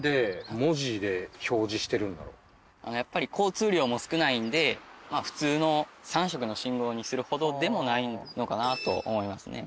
やっぱり交通量も少ないんで普通の３色の信号にするほどでもないのかなと思いますね。